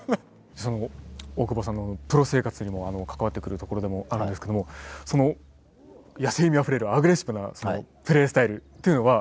大久保さんのプロ生活にも関わってくるところでもあるんですけどもその野性味あふれるアグレッシブなプレースタイルというのは？